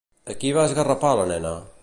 A qui va esgarrapar la nena?